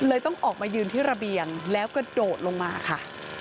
ต้องออกมายืนที่ระเบียงแล้วกระโดดลงมาค่ะ